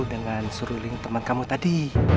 dengan seruling teman kamu tadi